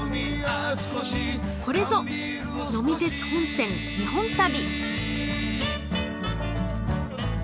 これぞ「呑み鉄本線・日本旅」！